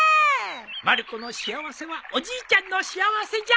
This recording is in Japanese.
まる子の幸せはおじいちゃんの幸せじゃ。